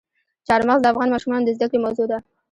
چار مغز د افغان ماشومانو د زده کړې موضوع ده.